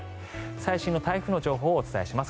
最新の台風の情報をお伝えします。